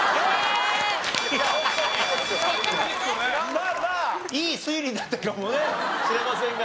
まあまあいい推理だったかもねしれませんが。